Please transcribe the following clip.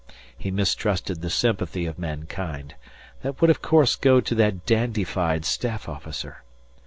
He mistrusted the sympathy of mankind. That would of course go to that dandified staff officer.